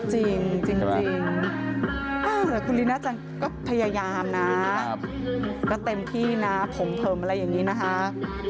จริงคุณลีน่าจังก็พยายามนะก็เต็มที่นะผมเผิมอะไรอย่างนี้นะคะ